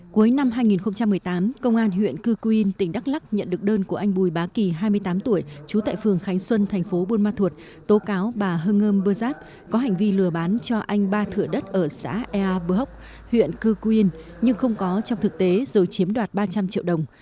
cuối năm hai nghìn một mươi tám công an huyện cư cù yên tỉnh đắk lắc nhận được đơn của anh bùi bá kỳ hai mươi tám tuổi chú tại phường khánh xuân thành phố buôn ma thuột tố cáo bà hờ ngơm bờ đắp có hành vi lừa bán cho anh ba thửa đất ở xã ea bờ hốc huyện cư cù yên nhưng không có trong thực tế rồi chiếm đoạt ba trăm linh triệu đồng